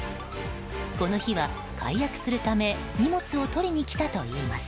この日は解約するため荷物を取りに来たといいます。